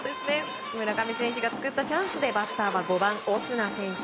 村上選手が作ったチャンスでバッターは５番、オスナ選手。